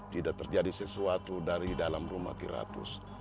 tidak terjadi sesuatu dari dalam rumah kirapus